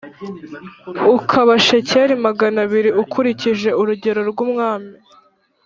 ukaba shekeli magana abiri ukurikije urugero rw’umwami.